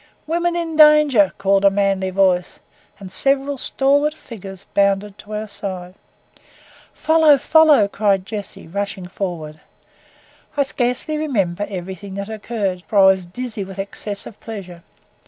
"Women in danger!" shouted a manly voice, and several stalwart figures bounded to our side. "Follow, follow!" cried Jessie, rushing forwards. I scarcely remember everything that occurred, for I was dizzy with excess of pleasure.